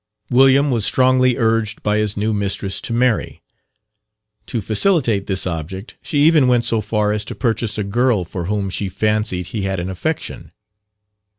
William was strongly urged by his new mistress to marry. To facilitate this object, she even went so far as to purchase a girl for whom she fancied he had an affection.